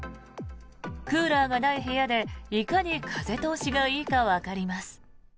クーラーがない部屋でいかに風通しがいいかわかります。